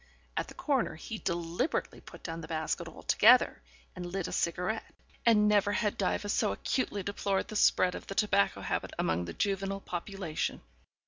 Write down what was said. At the corner he deliberately put down the basket altogether and lit a cigarette, and never had Diva so acutely deplored the spread of the tobacco habit among the juvenile population.